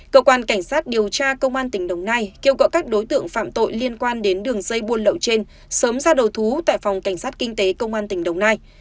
cơ quan cảnh sát điều tra công an tỉnh đồng nai kêu gọi các đối tượng phạm tội liên quan đến đường dây buôn lậu trên sớm ra đầu thú tại phòng cảnh sát kinh tế công an tỉnh đồng nai